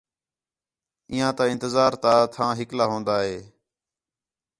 انہیاں تا انتظار تا تھاں ہِکلا ہون٘دا ہے